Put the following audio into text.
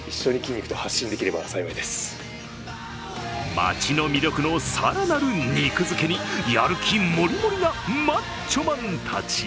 町の魅力の更なる肉づけにやる気モリモリなマッチョマンたち。